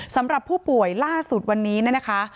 สำหรับผู้ป่วยล่าสุดวันนี้นะคะ